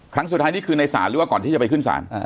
ครั้งสุดท้ายนี่คือในศาลหรือว่าก่อนที่จะไปขึ้นศาล